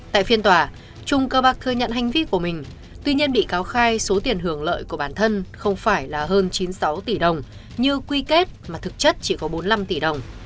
tại phiên tòa trung cơ bạc thừa nhận hành vi của mình tuy nhiên bị cáo khai số tiền hưởng lợi của bản thân không phải là hơn chín mươi sáu tỷ đồng như quy kết mà thực chất chỉ có bốn mươi năm tỷ đồng